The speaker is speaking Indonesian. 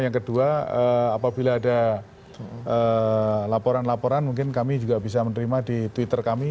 yang kedua apabila ada laporan laporan mungkin kami juga bisa menerima di twitter kami